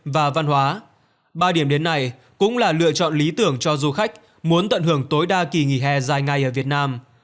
và văn hóa ba điểm đến này cũng là lựa chọn lý tưởng cho du khách muốn tận hưởng tối đa kỳ nghỉ hè dài ngày ở việt nam